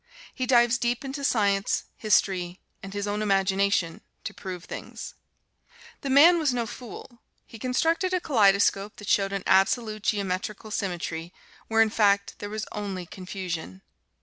He dives deep into science, history and his own imagination to prove things. The man was no fool he constructed a kaleidoscope that showed an absolute, geometrical symmetry, where in fact there was only confusion.